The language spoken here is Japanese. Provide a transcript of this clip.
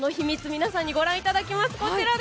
皆さんにご覧いただきます。